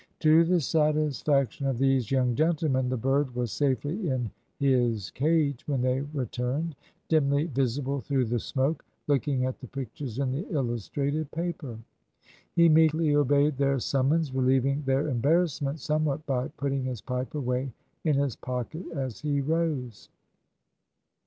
To the satisfaction of these young gentlemen, the bird was safely in his cage when they returned, dimly visible through the smoke, looking at the pictures in the illustrated paper. He meekly obeyed their summons, relieving their embarrassment somewhat by putting his pipe away in his pocket as he rose.